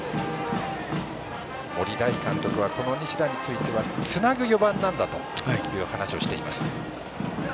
森大監督は西田に対してはつなぐ４番なんだという話をしています。